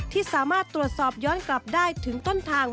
ที่สามารถตรวจสอบย้อนกลับได้ถึงต้นทาง